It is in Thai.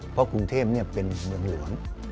เพราะกรุงเทพเป็นเมืองหลวง